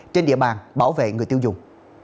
trên địa bàn bảo vệ người tiêu dùng